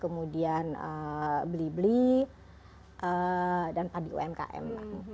kemudian blibli dan di umkm